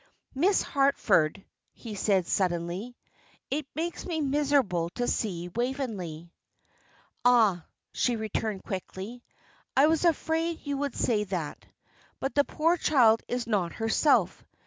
"Miss Harford," he said, suddenly, "it makes me miserable to see Waveney." "Ah!" she returned, quickly, "I was afraid you would say that. But the poor child is not herself.